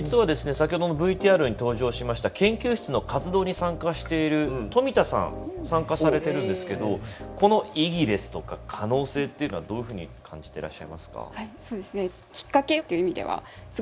先ほどのＶＴＲに登場しました研究室の活動に参加している冨田さん参加されてるんですけどこの意義ですとか可能性っていうのはどういうふうに感じてらっしゃいますか？